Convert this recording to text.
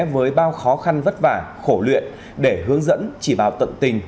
với bao khó khăn vất vả khổ luyện để hướng dẫn chỉ vào tận tình